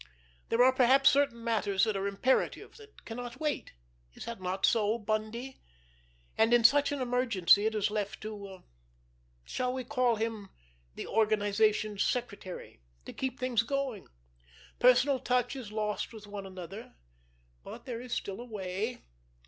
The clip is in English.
There are perhaps certain matters that are imperative, that cannot wait. Is it not so, Bundy? And in such an emergency it is left to—shall we call him the organization's secretary?—to keep things going. Personal touch is lost with one another, but there is still a way.